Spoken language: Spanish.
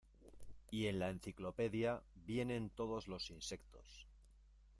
y en la enciclopedia vienen todos los insectos.